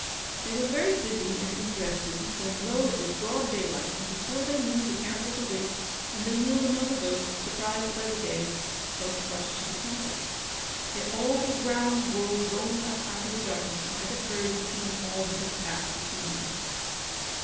They were very busy and interested, when, lo! it was broad daylight, and before they knew, the camp was awake, and they kneeled among the goats, surprised by the day, both flushed to the temples. Yet all the round world rolling up out of the darkness might have heard and seen all that had passed between them.